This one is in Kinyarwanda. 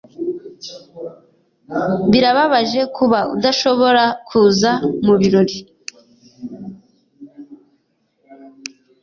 Birababaje kuba udashobora kuza mubirori.